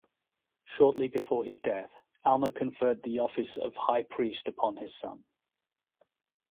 Shortly before his death, Alma conferred the office of high priest upon his son.